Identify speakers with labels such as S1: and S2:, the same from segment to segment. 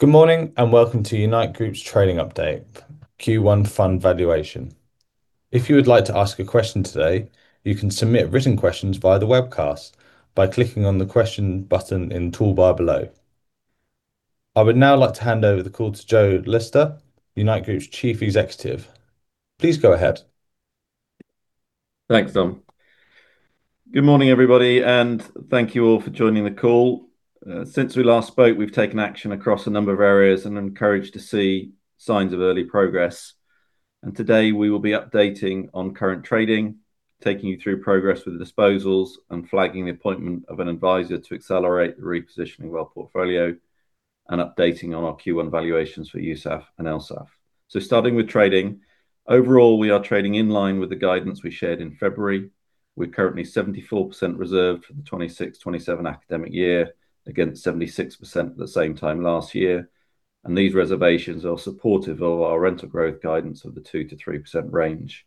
S1: Good morning and welcome to Unite Group's trading update, Q1 fund valuation. If you would like to ask a question today, you can submit written questions via the webcast by clicking on the question button in the toolbar below. I would now like to hand over the call to Joe Lister, Unite Group's Chief Executive. Please go ahead.
S2: Thanks, Dom. Good morning, everybody, and thank you all for joining the call. Since we last spoke, we've taken action across a number of areas and are encouraged to see signs of early progress. Today we will be updating on current trading, taking you through progress with the disposals and flagging the appointment of an advisor to accelerate the repositioning of our portfolio, and updating on our Q1 valuations for USAF and LSAV. Starting with trading, overall, we are trading in line with the guidance we shared in February. We're currently 74% reserved for the 2026,2027 academic year, against 76% at the same time last year. These reservations are supportive of our rental growth guidance of the 2%-3% range.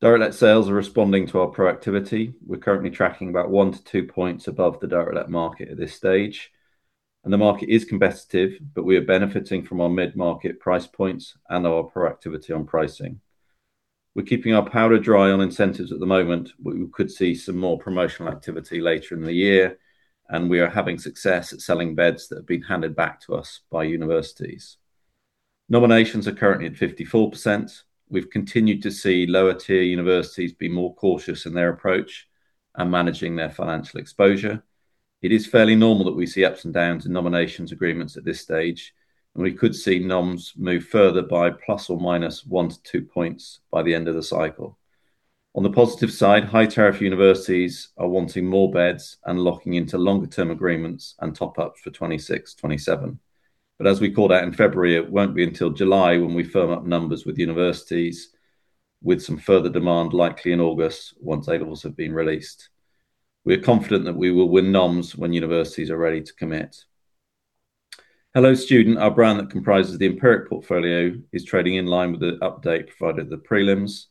S2: Direct let sales are responding to our proactivity. We're currently tracking about 1-2 points above the direct let market at this stage. The market is competitive. We are benefiting from our mid-market price points and our proactivity on pricing. We're keeping our powder dry on incentives at the moment. We could see some more promotional activity later in the year. We are having success at selling beds that have been handed back to us by universities. Nominations are currently at 54%. We've continued to see lower-tier universities be more cautious in their approach and managing their financial exposure. It is fairly normal that we see ups and downs in nominations agreements at this stage. We could see noms move further by ±1 to 2 points by the end of the cycle. On the positive side, high tariff universities are wanting more beds and locking into longer-term agreements and top-ups for 2026, 2027. As we called out in February, it won't be until July when we firm up numbers with universities, with some further demand likely in August once A-levels have been released. We are confident that we will win noms when universities are ready to commit. Hello Student, our brand that comprises the Empiric portfolio, is trading in line with the update provided at the prelims.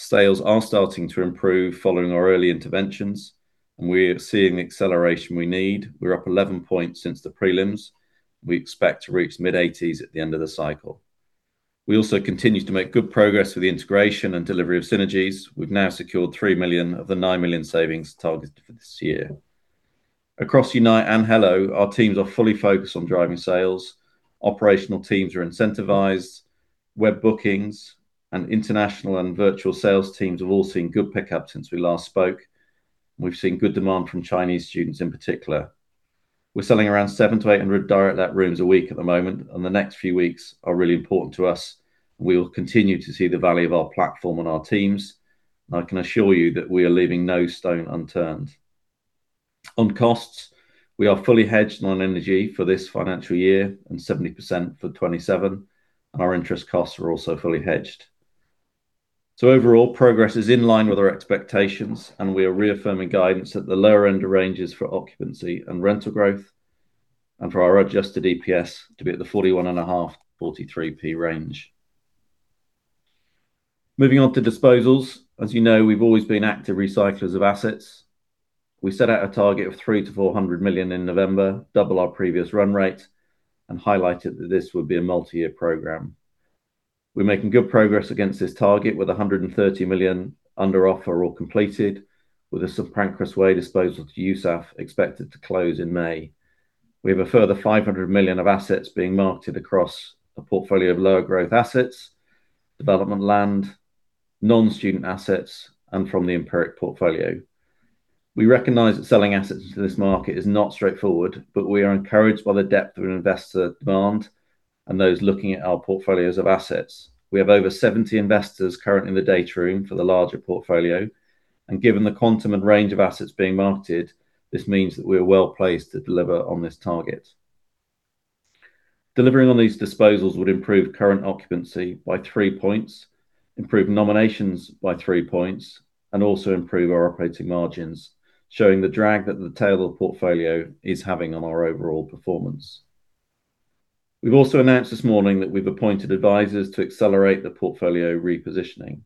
S2: Sales are starting to improve following our early interventions, and we are seeing the acceleration we need. We are up 11 points since the prelims. We expect to reach mid-80s at the end of the cycle. We also continue to make good progress with the integration and delivery of synergies. We've now secured 3 million of the 9 million savings targeted for this year. Across Unite and Hello, our teams are fully focused on driving sales. Operational teams are incentivized. Web bookings and international and virtual sales teams have all seen good pickup since we last spoke. We've seen good demand from Chinese students in particular. We're selling around 700-800 direct let rooms a week at the moment, and the next few weeks are really important to us. We'll continue to see the value of our platform and our teams, and I can assure you that we are leaving no stone unturned. On costs, we are fully hedged on energy for this financial year and 70% for 2027, and our interest costs are also fully hedged. Overall, progress is in line with our expectations and we are reaffirming guidance at the lower end of ranges for occupancy and rental growth, and for our Adjusted EPS to be at the 0.415-0.43 range. Moving on to disposals. As you know, we've always been active recyclers of assets. We set out a target of 300 million-400 million in November, double our previous run rate, and highlighted that this would be a multi-year program. We're making good progress against this target with 130 million under offer or completed, with the St Pancras Way disposal to USAF expected to close in May. We have a further 500 million of assets being marketed across a portfolio of lower growth assets, development land, non-student assets, and from the Empiric portfolio. We recognize that selling assets into this market is not straightforward, but we are encouraged by the depth of investor demand and those looking at our portfolios of assets. We have over 70 investors currently in the data room for the larger portfolio, and given the quantum and range of assets being marketed, this means that we are well-placed to deliver on this target. Delivering on these disposals would improve current occupancy by three points, improve nominations by three points, and also improve our operating margins, showing the drag that the tail of the portfolio is having on our overall performance. We've also announced this morning that we've appointed advisors to accelerate the portfolio repositioning.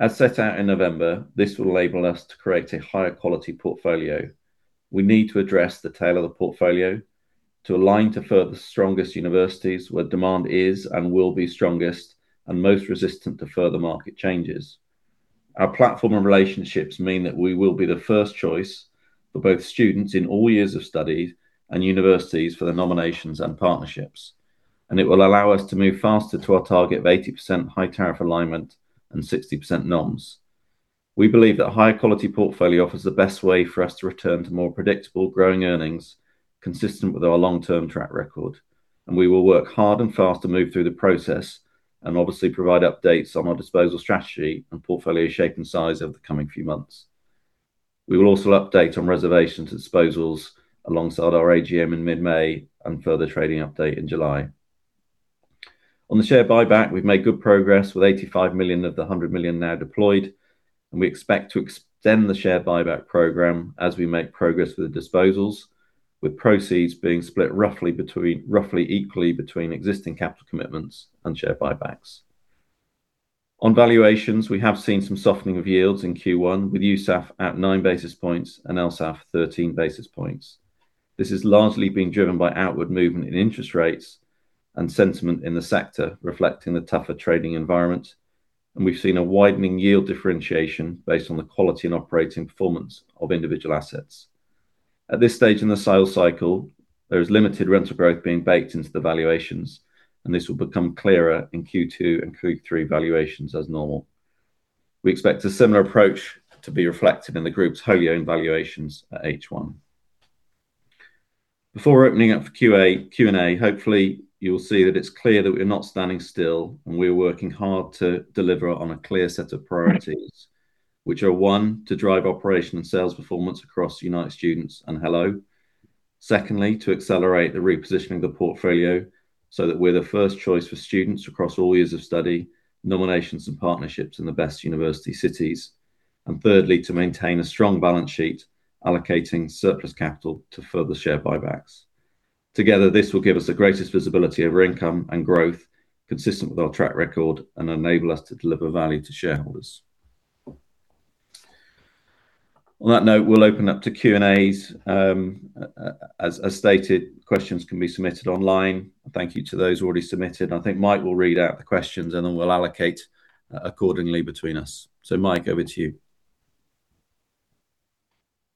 S2: As set out in November, this will enable us to create a higher quality portfolio. We need to address the tail of the portfolio to align to further strongest universities where demand is and will be strongest and most resistant to further market changes. Our platform and relationships mean that we will be the first choice for both students in all years of study and universities for their nominations and partnerships, and it will allow us to move faster to our target of 80% high tariff alignment and 60% noms. We believe that a higher quality portfolio offers the best way for us to return to more predictable growing earnings consistent with our long-term track record, and we will work hard and fast to move through the process and obviously provide updates on our disposal strategy and portfolio shape and size over the coming few months. We will also update on reservations and disposals alongside our AGM in mid-May and further trading update in July. On the share buyback, we've made good progress with 85 million of the 100 million now deployed, and we expect to extend the share buyback program as we make progress with the disposals, with proceeds being split roughly equally between existing capital commitments and share buybacks. On valuations, we have seen some softening of yields in Q1 with USAF at 9 basis points and LSAV 13 basis points. This is largely being driven by outward movement in interest rates and sentiment in the sector, reflecting the tougher trading environment. We've seen a widening yield differentiation based on the quality and operating performance of individual assets. At this stage in the sales cycle, there is limited rental growth being baked into the valuations, and this will become clearer in Q2 and Q3 valuations as normal. We expect a similar approach to be reflected in the Group's wholly owned valuations at H1. Before opening up for Q&A, hopefully you will see that it's clear that we're not standing still, and we're working hard to deliver on a clear set of priorities, which are, one, to drive operation and sales performance across Unite Students and Hello Student, secondly, to accelerate the repositioning of the portfolio so that we're the first choice for students across all years of study, nominations and partnerships in the best university cities, and thirdly, to maintain a strong balance sheet, allocating surplus capital to further share buybacks. Together, this will give us the greatest visibility over income and growth consistent with our track record and enable us to deliver value to shareholders. On that note, we'll open up to Q&As. As stated, questions can be submitted online. Thank you to those who already submitted. I think Mike will read out the questions, and then we'll allocate accordingly between us. Mike, over to you.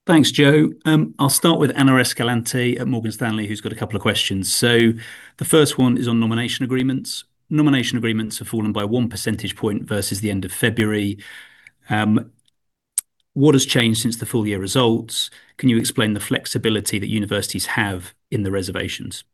S3: Thanks, Joe. I'll start with Ana Escalante at Morgan Stanley, who's got a couple of questions. The first one is on nomination agreements. Nomination agreements have fallen by one percentage point versus the end of February. What has changed since the full-year results? Can you explain the flexibility that universities have in the reservations?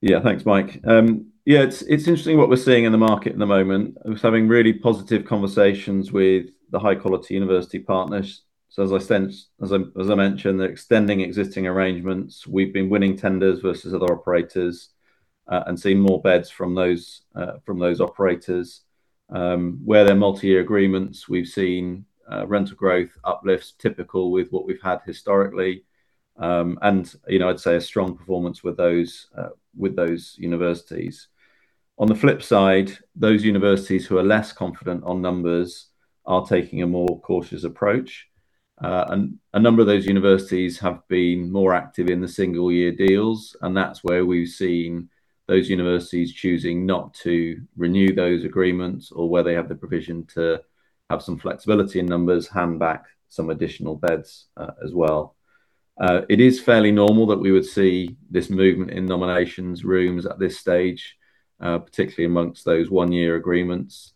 S2: Yeah. Thanks, Mike. Yeah, it's interesting what we're seeing in the market at the moment. I was having really positive conversations with the high-quality university partners. As I mentioned, they're extending existing arrangements. We've been winning tenders versus other operators, and seeing more beds from those operators. Where they're multi-year agreements, we've seen rental growth uplifts typical with what we've had historically, and I'd say a strong performance with those universities. On the flip side, those universities who are less confident on numbers are taking a more cautious approach. A number of those universities have been more active in the single-year deals, and that's where we've seen those universities choosing not to renew those agreements or where they have the provision to have some flexibility in numbers, hand back some additional beds as well. It is fairly normal that we would see this movement in nominations rooms at this stage, particularly amongst those one-year agreements.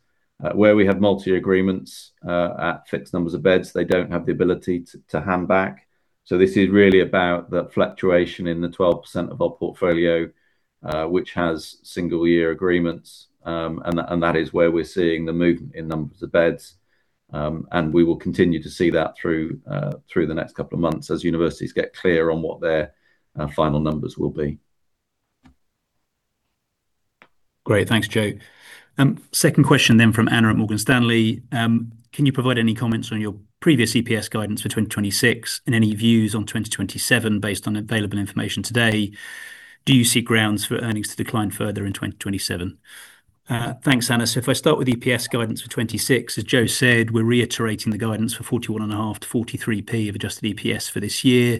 S2: Where we have multi-year agreements at fixed numbers of beds, they don't have the ability to hand back. This is really about the fluctuation in the 12% of our portfolio, which has single year agreements, and that is where we're seeing the movement in numbers of beds. We will continue to see that through the next couple of months as universities get clear on what their final numbers will be.
S3: Great. Thanks, Joe. Second question then from Ana at Morgan Stanley. Can you provide any comments on your previous EPS guidance for 2026 and any views on 2027 based on available information today? Do you see grounds for earnings to decline further in 2027? Thanks, Ana. If I start with EPS guidance for 2026, as Joe said, we're reiterating the guidance for 0.415-0.43 of Adjusted EPS for this year.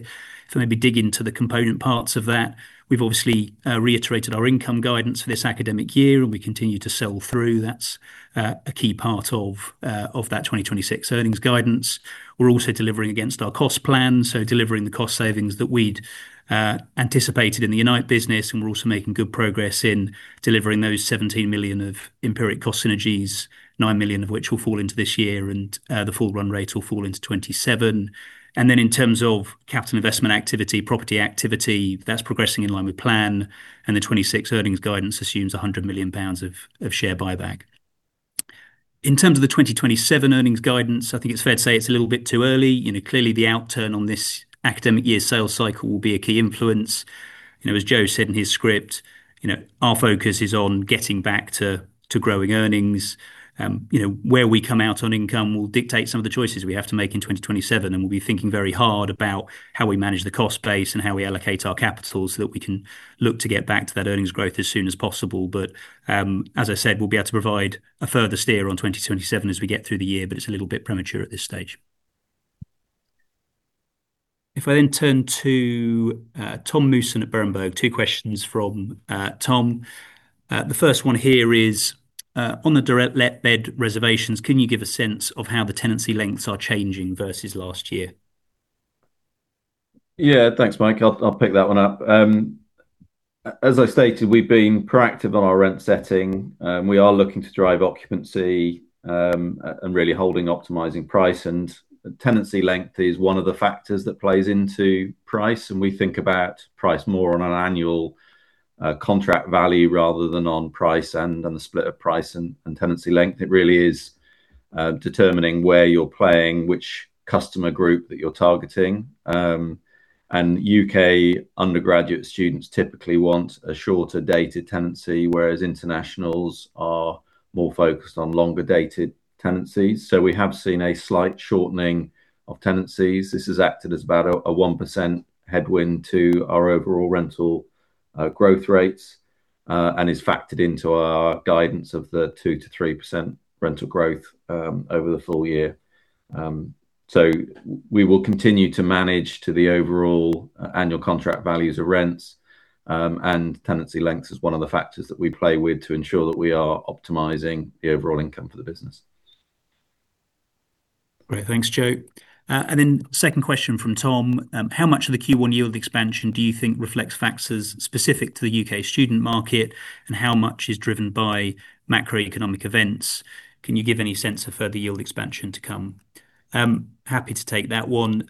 S3: If I maybe dig into the component parts of that, we've obviously reiterated our income guidance for this academic year, and we continue to sell through. That's a key part of that 2026 earnings guidance. We're also delivering against our cost plan, so delivering the cost savings that we'd anticipated in the Unite business, and we're also making good progress in delivering those 17 million of Empiric cost synergies, 9 million of which will fall into this year, and the full run rate will fall into 2027. In terms of capital investment activity, property activity, that's progressing in line with plan, and the 2026 earnings guidance assumes 100 million pounds of share buyback. In terms of the 2027 earnings guidance, I think it's fair to say it's a little bit too early. Clearly the outturn on this academic year sales cycle will be a key influence. As Joe said in his script, our focus is on getting back to growing earnings. Where we come out on income will dictate some of the choices we have to make in 2027, and we'll be thinking very hard about how we manage the cost base and how we allocate our capital so that we can look to get back to that earnings growth as soon as possible. As I said, we'll be able to provide a further steer on 2027 as we get through the year, but it's a little bit premature at this stage. If I then turn to Tom Musson at Berenberg, two questions from Tom. The first one here is, on the direct let bed reservations, can you give a sense of how the tenancy lengths are changing versus last year?
S2: Yeah. Thanks, Mike. I'll pick that one up. As I stated, we've been proactive on our rent setting. We are looking to drive occupancy. Really holding optimizing price and tenancy length is one of the factors that plays into price. We think about price more on an Annual Contract Value rather than on price and on the split of price and tenancy length. It really is determining where you're playing, which customer group that you're targeting. U.K. undergraduate students typically want a shorter dated tenancy, whereas internationals are more focused on longer dated tenancies. We have seen a slight shortening of tenancies. This has acted as about a 1% headwind to our overall rental growth rates and is factored into our guidance of the 2%-3% rental growth over the full year. We will continue to manage to the overall Annual Contract Values of rents, and tenancy lengths is one of the factors that we play with to ensure that we are optimizing the overall income for the business.
S3: Great. Thanks, Joe. Second question from Tom. How much of the Q1 yield expansion do you think reflects factors specific to the U.K. student market, and how much is driven by macroeconomic events? Can you give any sense of further yield expansion to come? Happy to take that one.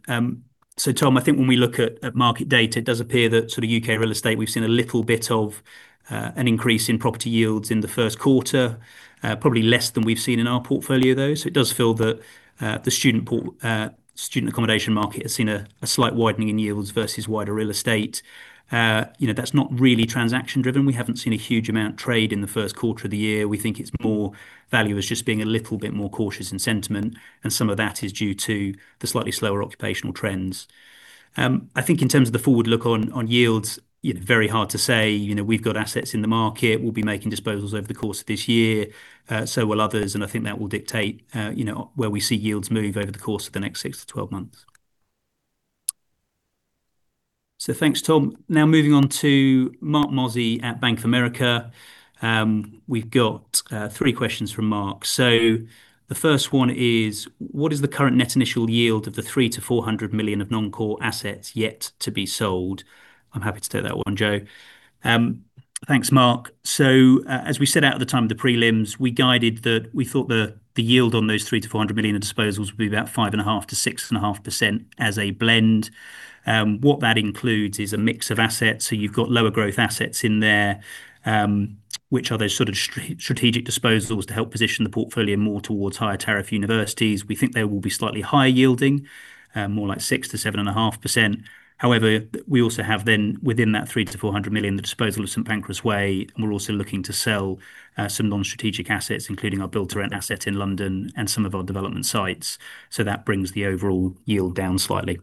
S3: Tom, I think when we look at market data, it does appear that U.K. real estate, we've seen a little bit of an increase in property yields in the first quarter, probably less than we've seen in our portfolio, though. It does feel that the student accommodation market has seen a slight widening in yields versus wider real estate. That's not really transaction-driven. We haven't seen a huge amount trade in the first quarter of the year. We think it's more valuers just being a little bit more cautious in sentiment, and some of that is due to the slightly slower occupational trends. I think in terms of the forward look on yields, very hard to say. We've got assets in the market. We'll be making disposals over the course of this year, will others, and I think that will dictate where we see yields move over the course of the next 6-12 months. Thanks, Tom. Now moving on to Marc Mozzi at Bank of America. We've got three questions from Marc. The first one is, what is the current net initial yield of the 3 million-400 million of non-core assets yet to be sold? I'm happy to take that one, Joe. Thanks, Marc. As we set out at the time of the prelims, we guided that we thought the yield on those 300 million-400 million of disposals would be about 5.5%-6.5% as a blend. What that includes is a mix of assets. You've got lower growth assets in there, which are those sort of strategic disposals to help position the portfolio more towards higher tariff universities. We think they will be slightly higher yielding, more like 6%-7.5%. However, we also have then within that 300 million-400 million, the disposal of St. Pancras Way, and we're also looking to sell some non-strategic assets, including our build-to-rent asset in London and some of our development sites. That brings the overall yield down slightly.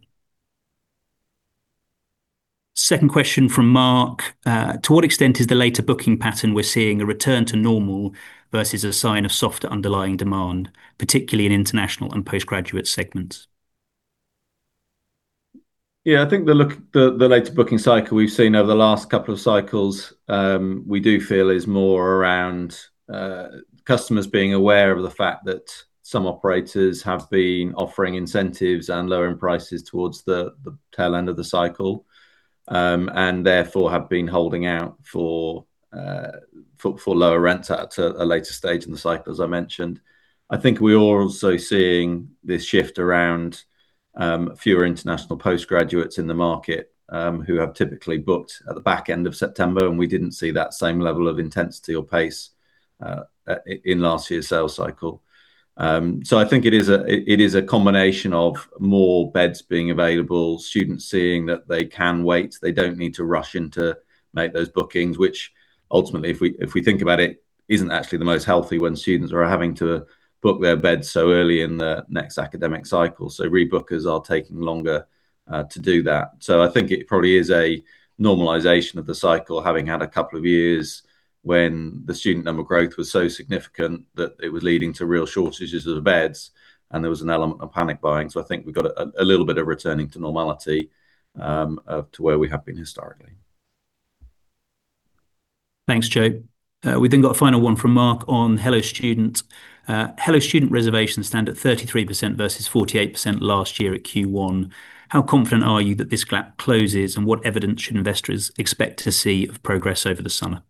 S3: Second question from Marc. To what extent is the later booking pattern we're seeing a return to normal versus a sign of softer underlying demand, particularly in international and postgraduate segments?
S2: Yeah, I think the later booking cycle we've seen over the last couple of cycles, we do feel is more around customers being aware of the fact that some operators have been offering incentives and lowering prices towards the tail end of the cycle, and therefore have been holding out for lower rents at a later stage in the cycle, as I mentioned. I think we are also seeing this shift around fewer international post-graduates in the market, who have typically booked at the back end of September, and we didn't see that same level of intensity or pace in last year's sales cycle. I think it is a combination of more beds being available, students seeing that they can wait, they don't need to rush in to make those bookings, which ultimately, if we think about it, isn't actually the most healthy when students are having to book their beds so early in the next academic cycle. Rebookers are taking longer to do that. I think it probably is a normalization of the cycle, having had a couple of years when the student number growth was so significant that it was leading to real shortages of beds and there was an element of panic buying. I think we've got a little bit of returning to normality, to where we have been historically.
S3: Thanks, Joe. We've then got a final one from Marc on Hello Student. Hello Student reservations stand at 33% versus 48% last year at Q1. How confident are you that this gap closes, and what evidence should investors expect to see of progress over the summer?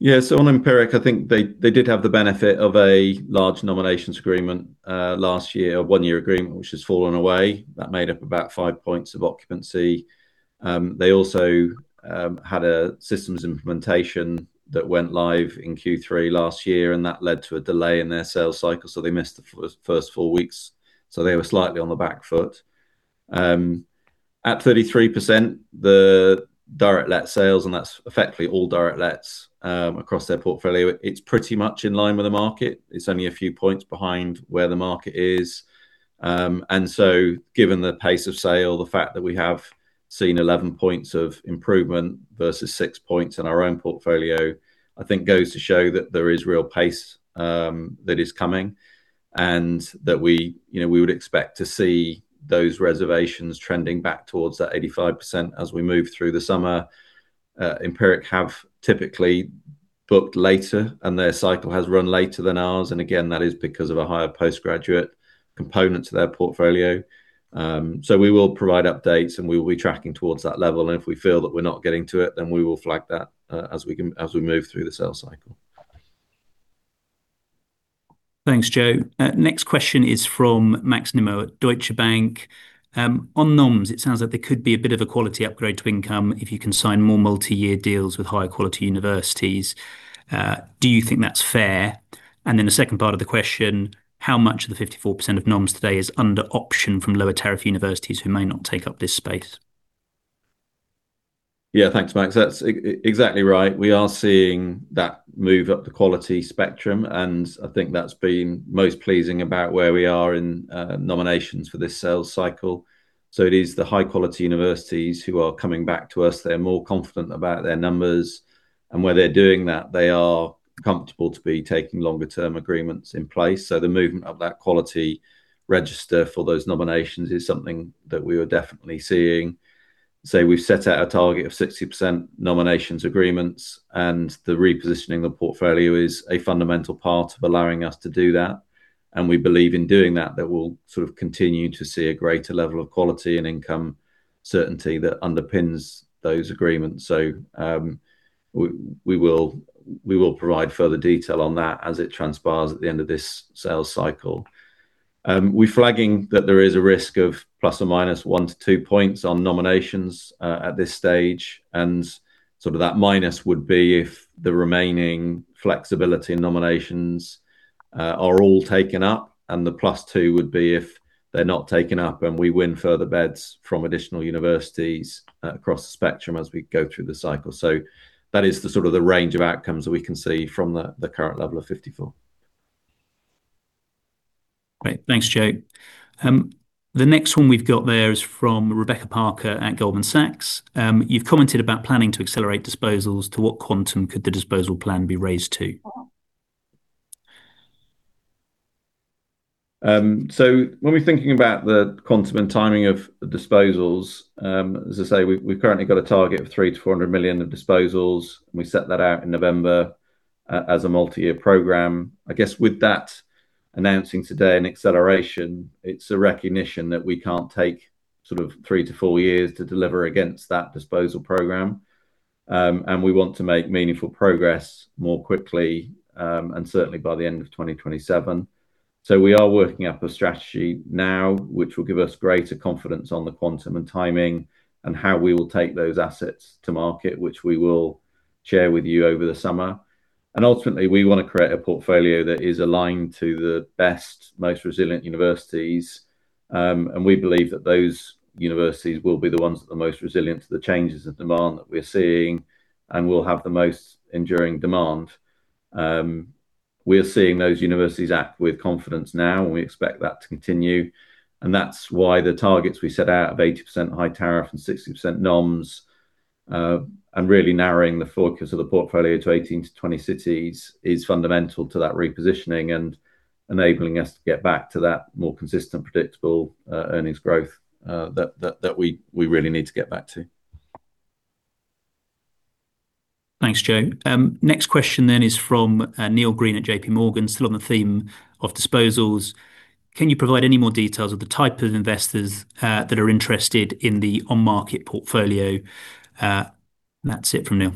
S2: Yeah. On Empiric, I think they did have the benefit of a large nominations agreement last year, a one-year agreement, which has fallen away. That made up about five points of occupancy. They also had a systems implementation that went live in Q3 last year, and that led to a delay in their sales cycle, so they missed the first four weeks, so they were slightly on the back foot. At 33%, the direct let sales, and that's effectively all direct lets across their portfolio, it's pretty much in line with the market. It's only a few points behind where the market is. Given the pace of sale, the fact that we have seen 11 points of improvement versus six points in our own portfolio, I think goes to show that there is real pace that is coming and that we would expect to see those reservations trending back towards that 85% as we move through the summer. Empiric have typically booked later, and their cycle has run later than ours, and again, that is because of a higher postgraduate component to their portfolio. We will provide updates, and we will be tracking towards that level, and if we feel that we're not getting to it, then we will flag that as we move through the sales cycle.
S3: Thanks, Joe. Next question is from Max Nimmo at Deutsche Bank. On noms, it sounds like there could be a bit of a quality upgrade to income if you can sign more multi-year deals with higher quality universities. Do you think that's fair? The second part of the question, how much of the 54% of noms today is under option from lower tariff universities who may not take up this space?
S2: Yeah, thanks, Max. That's exactly right. We are seeing that move up the quality spectrum, and I think that's been most pleasing about where we are in nominations for this sales cycle. It is the high-quality universities who are coming back to us. They're more confident about their numbers, and where they're doing that, they are comfortable to be taking longer-term agreements in place. The movement of that quality register for those nominations is something that we are definitely seeing. We've set out a target of 60% nominations agreements, and the repositioning the portfolio is a fundamental part of allowing us to do that. We believe in doing that we'll sort of continue to see a greater level of quality and income certainty that underpins those agreements. We will provide further detail on that as it transpires at the end of this sales cycle. We're flagging that there is a risk of ±1 to 2 points on nominations at this stage. Sort of that minus would be if the remaining flexibility in nominations are all taken up, and the +2 would be if they're not taken up and we win further beds from additional universities across the spectrum as we go through the cycle. That is the sort of the range of outcomes that we can see from the current level of 54%.
S3: Great. Thanks, Joe. The next one we've got there is from Rebecca Parker at Goldman Sachs. You've commented about planning to accelerate disposals. To what quantum could the disposal plan be raised to?
S2: When we're thinking about the quantum and timing of disposals, as I say, we've currently got a target of 300 million-400 million of disposals. We set that out in November as a multi-year program. I guess with that announcing today an acceleration, it's a recognition that we can't take sort of 3-4 years to deliver against that disposal program. We want to make meaningful progress more quickly, and certainly by the end of 2027. We are working up a strategy now which will give us greater confidence on the quantum and timing and how we will take those assets to market, which we will share with you over the summer. Ultimately, we want to create a portfolio that is aligned to the best, most resilient universities. We believe that those universities will be the ones that are most resilient to the changes in demand that we're seeing and will have the most enduring demand. We are seeing those universities act with confidence now, and we expect that to continue. That's why the targets we set out of 80% high tariff and 60% noms, and really narrowing the focus of the portfolio to 18-20 cities is fundamental to that repositioning and enabling us to get back to that more consistent, predictable earnings growth that we really need to get back to.
S3: Thanks, Joe. Next question then is from Neil Green at JPMorgan, still on the theme of disposals. Can you provide any more details of the type of investors that are interested in the on-market portfolio? That's it from Neil.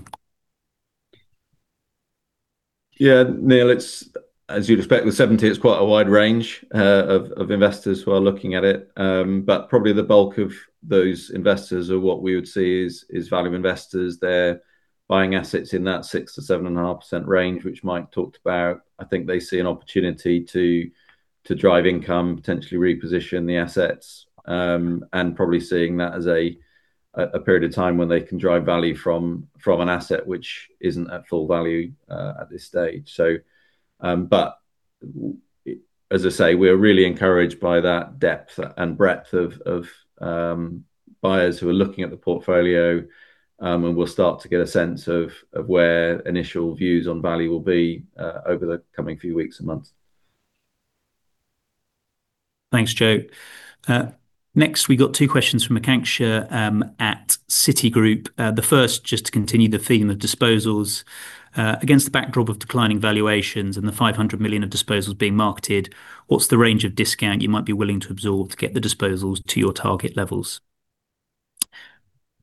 S2: Yeah, Neil, as you'd expect with 70%, it's quite a wide range of investors who are looking at it. Probably the bulk of those investors are what we would see as value investors. They're buying assets in that 6%-7.5% range, which Mike talked about. I think they see an opportunity to drive income, potentially reposition the assets, and probably seeing that as a period of time when they can drive value from an asset which isn't at full value at this stage. As I say, we're really encouraged by that depth and breadth of buyers who are looking at the portfolio, and we'll start to get a sense of where initial views on value will be over the coming few weeks and months.
S3: Thank you, Joe. Next, we got two questions from Aakanksha at Citigroup. The first, just to continue the theme of disposals, against the backdrop of declining valuations and the 500 million of disposals being marketed, what's the range of discount you might be willing to absorb to get the disposals to your target levels?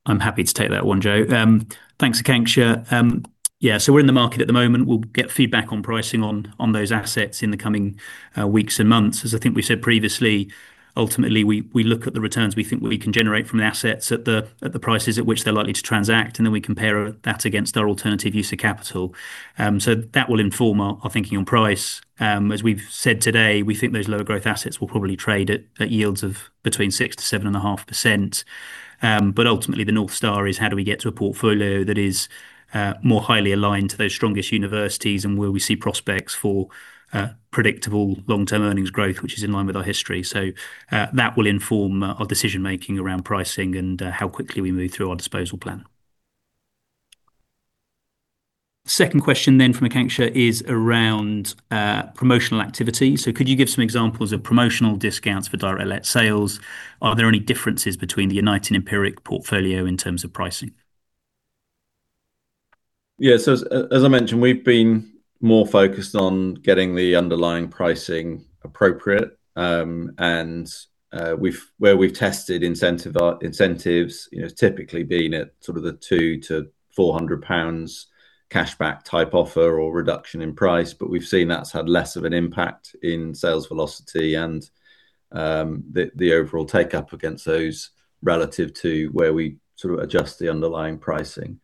S3: I'm happy to take that one, Joe. Thanks, Aakanksha. Yeah, we're in the market at the moment. We'll get feedback on pricing on those assets in the coming weeks and months. As I think we said previously, ultimately, we look at the returns we think we can generate from the assets at the prices at which they're likely to transact, and then we compare that against our alternative use of capital. That will inform our thinking on price. As we've said today, we think those lower growth assets will probably trade at yields of between 6%-7.5%. Ultimately the North Star is how do we get to a portfolio that is more highly aligned to those strongest universities and where we see prospects for predictable long-term earnings growth, which is in line with our history. That will inform our decision-making around pricing and how quickly we move through our disposal plan. Second question then from Aakanksha is around promotional activity. Could you give some examples of promotional discounts for direct let sales? Are there any differences between the Unite and Empiric portfolio in terms of pricing?
S2: Yeah, as I mentioned, we've been more focused on getting the underlying pricing appropriate. Where we've tested incentives, it's typically been at sort of the 200-400 pounds cash back type offer or reduction in price. We've seen that's had less of an impact in sales velocity and the overall take-up against those relative to where we sort of adjust the underlying pricing.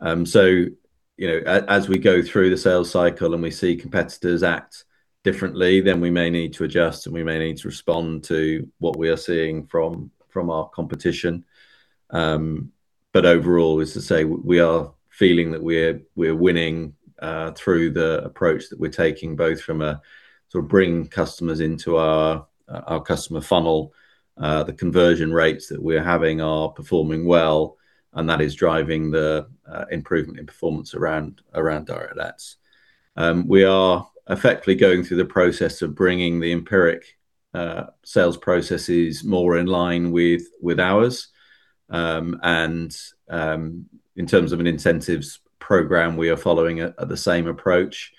S2: As we go through the sales cycle and we see competitors act differently, then we may need to adjust, and we may need to respond to what we are seeing from our competition. Overall, as to say, we are feeling that we're winning through the approach that we're taking, both from a sort of bring customers into our customer funnel, the conversion rates that we're having are performing well, and that is driving the improvement in performance around direct lets. We are effectively going through the process of bringing the Empiric sales processes more in line with ours. In terms of an incentives program, we are following the same approach.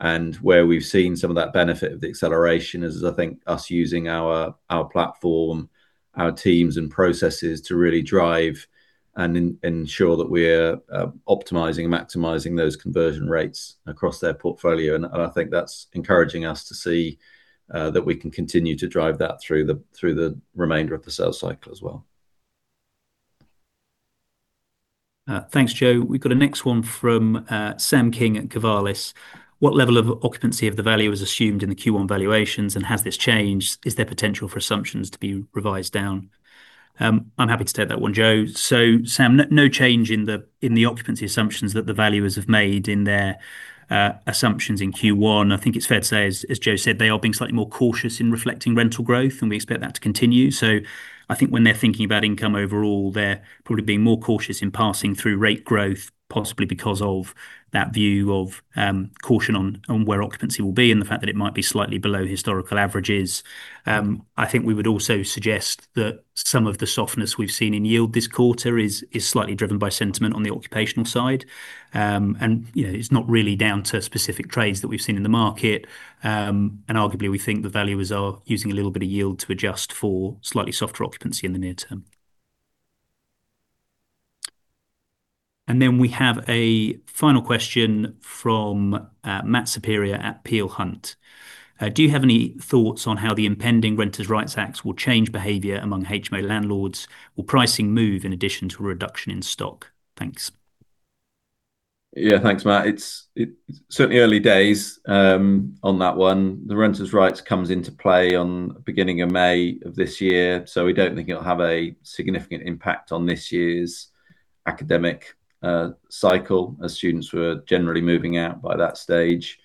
S2: Where we've seen some of that benefit of the acceleration is, I think, us using our platform, our teams, and processes to really drive and ensure that we're optimizing and maximizing those conversion rates across their portfolio. I think that's encouraging us to see that we can continue to drive that through the remainder of the sales cycle as well.
S3: Thanks, Joe. We've got a next one from Sam King at Covalis. "What level of occupancy of the value is assumed in the Q1 valuations, and has this changed? Is there potential for assumptions to be revised down?" I'm happy to take that one, Joe. Sam, no change in the occupancy assumptions that the valuers have made in their assumptions in Q1. I think it's fair to say, as Joe said, they are being slightly more cautious in reflecting rental growth, and we expect that to continue. I think when they're thinking about income overall, they're probably being more cautious in passing through rate growth, possibly because of that view of caution on where occupancy will be and the fact that it might be slightly below historical averages. I think we would also suggest that some of the softness we've seen in yield this quarter is slightly driven by sentiment on the occupational side. It's not really down to specific trades that we've seen in the market. Arguably, we think the valuers are using a little bit of yield to adjust for slightly softer occupancy in the near term. We have a final question from Matthew Saperia at Peel Hunt. Do you have any thoughts on how the impending Renters Rights Act will change behavior among HMO landlords? Will pricing move in addition to a reduction in stock? Thanks.
S2: Yeah. Thanks, Matt. Its the early days on that one. The Renters Rights comes into play on beginning of May of this year, so we don't think it'll have a significant impact on this year's academic cycle as students were generally moving out by that stage.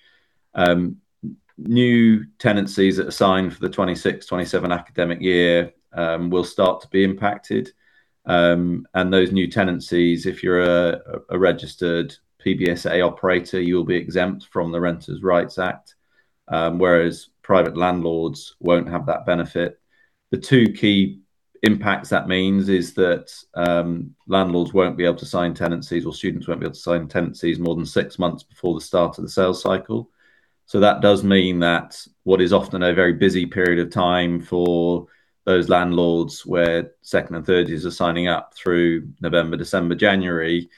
S2: New tenancies assigned for 2026, 2027 academic year will start to be impacted. Those new tenancies, if you're a registered PBSA operator, you'll be exempt from the Renters Rights Act, whereas private landlords won't have that benefit. The two key impacts that means is that landlords won't be able to sign tenancies, or students won't be able to sign tenancies more than six months before the start of the sales cycle. That does mean that what is often a very busy period of time for those landlords where second and third years are signing up through November, December, January,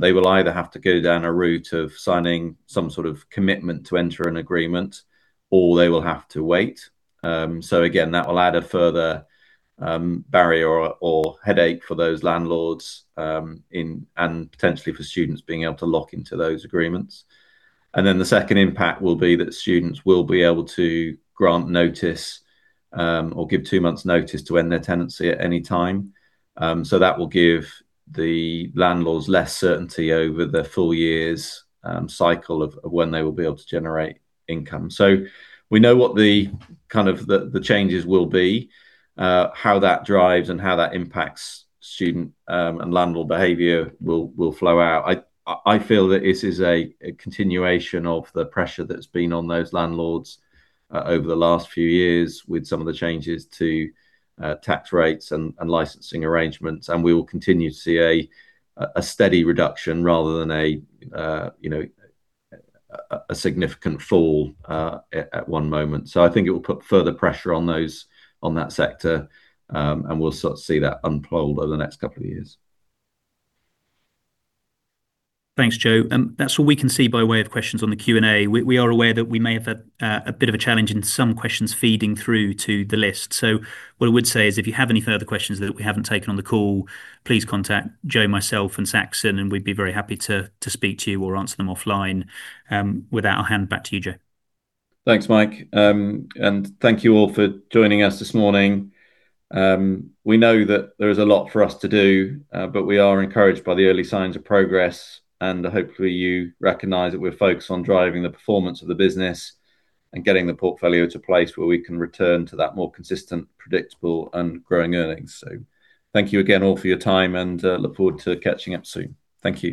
S2: they will either have to go down a route of signing some sort of commitment to enter an agreement, or they will have to wait. Again, that will add a further barrier or headache for those landlords, and potentially for students being able to lock into those agreements. The second impact will be that students will be able to grant notice, or give two months notice to end their tenancy at any time. That will give the landlords less certainty over the full year's cycle of when they will be able to generate income. We know what the changes will be, how that drives and how that impacts student and landlord behavior will flow out. I feel that this is a continuation of the pressure that's been on those landlords over the last few years with some of the changes to tax rates and licensing arrangements, and we will continue to see a steady reduction rather than a significant fall at one moment. I think it will put further pressure on that sector, and we'll sort of see that unfold over the next couple of years.
S3: Thanks, Joe. That's all we can see by way of questions on the Q&A. We are aware that we may have a bit of a challenge in some questions feeding through to the list. What I would say is, if you have any further questions that we haven't taken on the call, please contact Joe, myself, and Saxon, and we'd be very happy to speak to you or answer them offline. With that, I'll hand back to you, Joe.
S2: Thanks, Mike. Thank you all for joining us this morning. We know that there is a lot for us to do, but we are encouraged by the early signs of progress. Hopefully, you recognize that we're focused on driving the performance of the business and getting the portfolio to a place where we can return to that more consistent, predictable, and growing earnings. Thank you again all for your time, and look forward to catching up soon. Thank you.